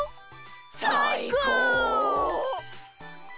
さいこう！